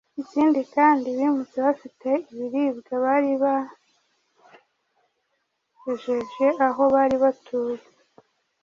Ikindi kandi bimutse bafite ibiribwa bari bajeje aho bari batuye